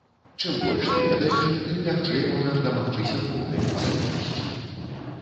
Чым больш ты ведаеш, тым лягчэй можаш дамагчыся поўнай незалежнасці.